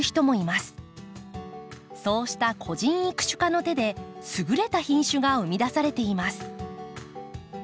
そうした個人育種家の手で優れた品種が生み出されています。